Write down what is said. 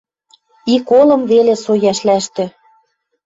Ик олым веле со йӓшлӓштӹ